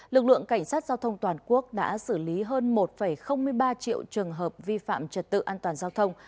lực lượng cảnh sát giao thông toàn quốc đã xử lý hơn một ba triệu trường hợp vi phạm trật tự an toàn giao thông